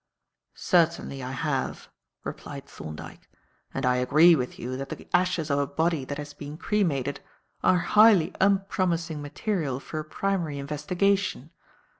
"Certainly, I have," replied Thorndyke, "and I agree with you that the ashes of a body that has been cremated are highly unpromising material for a primary investigation.